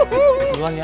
keluar ya mak